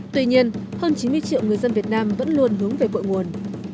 tuy nhiên hơn chín mươi triệu người dân việt nam vẫn luôn hướng về cội nguồn